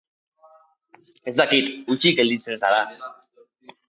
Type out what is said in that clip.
Ez dakit, hutsik gelditzen zara.